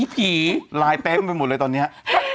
ไอ้ผีลายแป๊บหมดเลยตอนเนี่ย